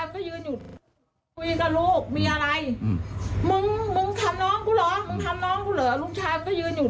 มึงทำน้องกูเหรอลุงชายผมก็ยืนหยุด